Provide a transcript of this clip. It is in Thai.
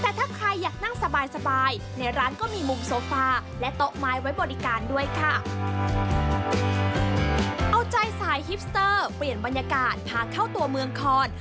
เอาใจสายฮิปสเตอร์เปลี่ยนบรรยากาศพาเข้าตัวเมืองคอน